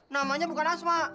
namanya bukan asma